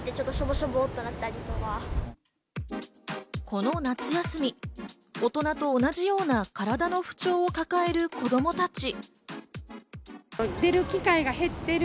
この夏休み、大人と同じような体の不調を抱える子供たち。